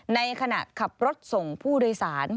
ในขณะขับรถส่งผู้โดยสาร